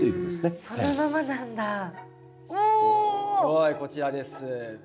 はいこちらです。